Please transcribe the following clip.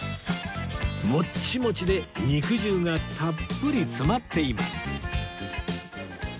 モッチモチで肉汁がたっぷり詰まっています